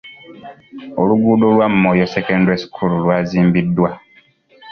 Oluguudo lwa Moyo secondary school lwazimbiddwa.